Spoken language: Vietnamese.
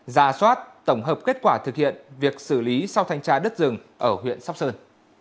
ra soát tổng hợp kết quả thực hiện việc xử lý sau thanh tra đất rừng ở huyện sóc sơn